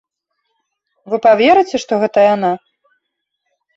Вы паверыце, што гэта яна?